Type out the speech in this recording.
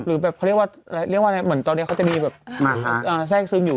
เขาเรียกว่าเหมือนตอนนี้เขาจะมีแบบแสกซึมอยู่